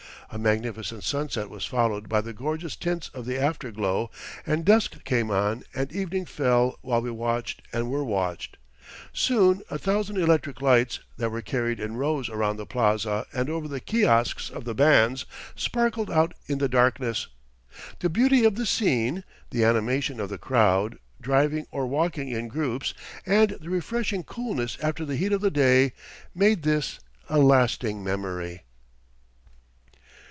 A magnificent sunset was followed by the gorgeous tints of the afterglow, and dusk came on and evening fell while we watched and were watched. Soon a thousand electric lights, that were carried in rows around the plaza and over the kiosks of the bands, sparkled out in the darkness. The beauty of the scene, the animation of the crowd, driving or walking in groups, and the refreshing coolness after the heat of the day, made this a lasting memory.